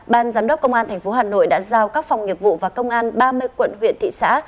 ban giám đốc công an tp hà nội đã giao các phòng nghiệp vụ và công an ba mươi quận huyện thị xã